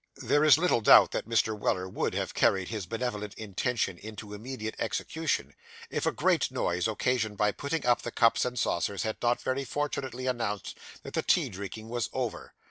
There is little doubt that Mr. Weller would have carried his benevolent intention into immediate execution, if a great noise, occasioned by putting up the cups and saucers, had not very fortunately announced that the tea drinking was over.